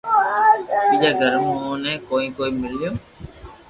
پئچوا گھر مون بي اوني ڪوئي ڪوئي ميليو